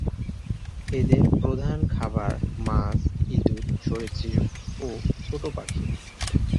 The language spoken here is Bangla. এদের প্রধান খাবার মাছ, ইঁদুর, সরীসৃপ ও ছোট পাখি।